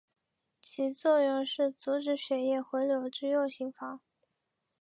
其作用是阻止血液回流至右心房。